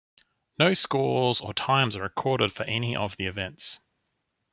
No scores or times are recorded for any of the events.